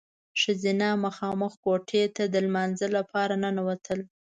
ښځینه مخامخ کوټې ته د لمانځه لپاره ننوتل.